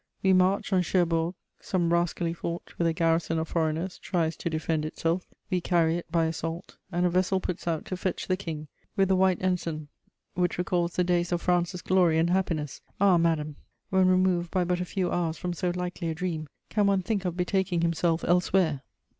We march on Cherbourg; some rascally fort, with a garrison of foreigners, tries to defend itself: we carry it by assault, and a vessel puts out to fetch the King, with the White Ensign which recalls the days of France's glory and happiness! Ah, madame, when removed by but a few hours from so likely a dream, can one think of betaking himself elsewhere!'"